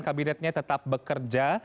kabinetnya tetap bekerja